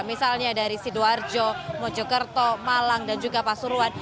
misalnya dari sidoarjo mojokerto malang dan juga pasuruan